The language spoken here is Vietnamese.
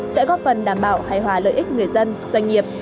sẽ góp phần đảm bảo hài hòa lợi ích người dân doanh nghiệp